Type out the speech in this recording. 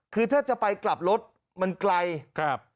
คือถ้าจะไปกลับรถมันไกลครับ